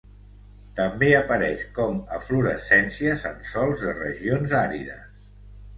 També apareix com eflorescències en sòls de regions àrides.